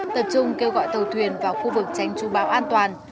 tập trung kêu gọi tàu thuyền vào khu vực tránh chú bão an toàn